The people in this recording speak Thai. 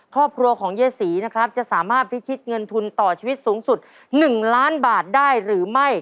ครอบครัวของเยศรีนะครับจะสามารถพิชิตเงินทุนต่อชีวิตสูงสุด๑ล้านบาทได้หรือไม่